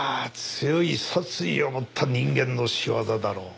強い殺意を持った人間の仕業だろう。